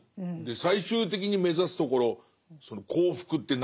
最終的に目指すところその幸福って何よ？ですよね。